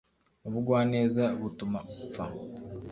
Ubugwaneza butuma upfa